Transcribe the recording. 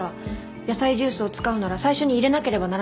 野菜ジュースを使うなら最初に入れなければならないのに。